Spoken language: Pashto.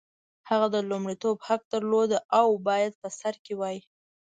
هغه د لومړیتوب حق درلود او باید په سر کې وای.